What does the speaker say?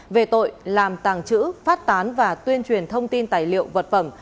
về tội làm tàng trữ phát tán và tuyên truyền thông tin tài liệu vật phẩm